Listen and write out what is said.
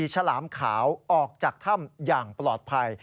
ฉลามขาวออกจากถ้ำอย่างปลอดภัย